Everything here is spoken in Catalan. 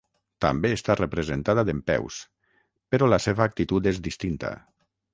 També està representada dempeus, però la seva actitud és distinta.